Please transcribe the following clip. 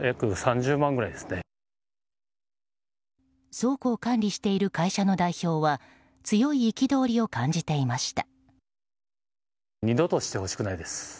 倉庫を管理している会社の代表は強い憤りを感じていました。